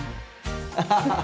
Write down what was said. アハハッ！